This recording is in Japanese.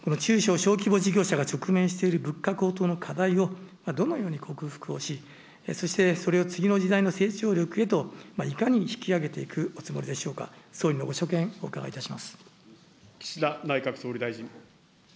そこで政府は、この中小小規模事業者が物価高騰の課題を、どのように克服をし、そしてそれを次の時代の成長力へといかに引き上げていくおつもりでしょうが、総理のご所見、お伺いします。